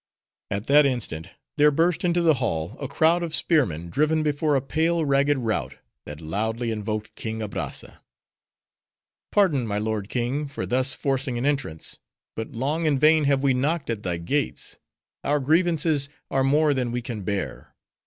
At that instant, there burst into the hall, a crowd of spearmen, driven before a pale, ragged rout, that loudly invoked King Abrazza. "Pardon, my lord king, for thus forcing an entrance! But long in vain have we knocked at thy gates! Our grievances are more than we can bear!